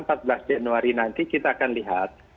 empat belas januari nanti kita akan lihat